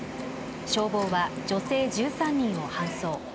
消防は女性１３人を搬送。